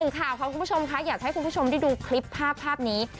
อยากใช้คุณผู้ชมที่ดูคลิปภาพภาพนี้